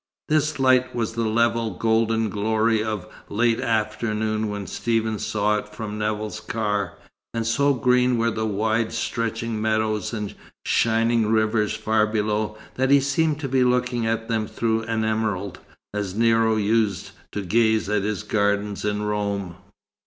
This light was the level golden glory of late afternoon when Stephen saw it from Nevill's car; and so green were the wide stretching meadows and shining rivers far below, that he seemed to be looking at them through an emerald, as Nero used to gaze at his gardens in Rome.